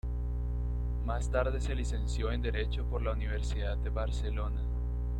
Más tarde se licenció en Derecho por la Universidad de Barcelona.